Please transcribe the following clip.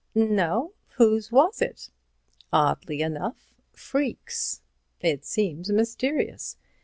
"No? Whose was it?" "Oddly enough, Freke's. It seems mysterious.